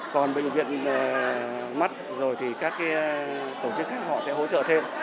còn bệnh viện mắt rồi thì các tổ chức khác họ sẽ hỗ trợ thêm